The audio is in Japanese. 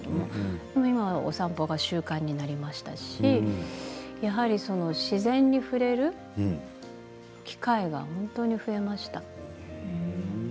でも今はお散歩が習慣になりましたし自然に触れる機会が本当に増えましたね。